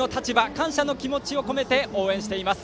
感謝の気持ちを込めて応援しています。